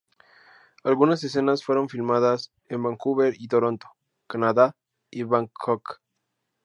Algunas escenas fueron filmadas en Vancouver y Toronto, Canadá y Bangkok.